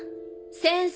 先生